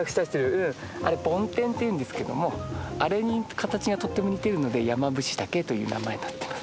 うんあれ梵天っていうんですけどもあれに形がとっても似てるのでヤマブシタケという名前になってます。